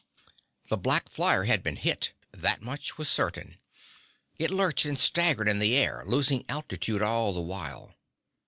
The black flyer had been hit. That much was certain. It lurched and staggered in the air, losing altitude all the while.